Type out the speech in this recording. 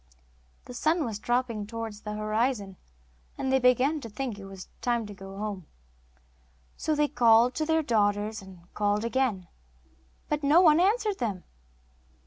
The sun was dropping towards the horizon, and they began to think it was time to go home. So they called to their daughters and called again, but no one answered them.